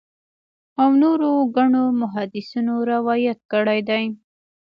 او نورو ګڼو محدِّثينو روايت کړی دی